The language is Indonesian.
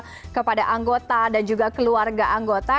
media sosial kepada anggota dan juga keluarga anggota